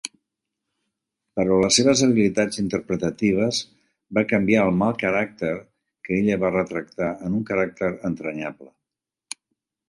Però les seves habilitats interpretatives va canviar el "mal" caràcter que ella va retractar en un caràcter entranyable.